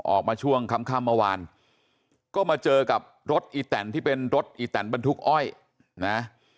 ออกมาช่วงค่ำเมื่อวานก็มาเจอกับรถอีแตนที่เป็นรถอีแตนบรรทุกอ้อยนะ